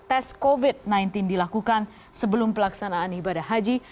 tes covid sembilan belas dilakukan sebelum pelaksanaan ibadah haji